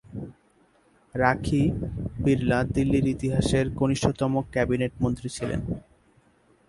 রাখি বিড়লা দিল্লীর ইতিহাসের কনিষ্ঠতম ক্যাবিনেট মন্ত্রী ছিলেন।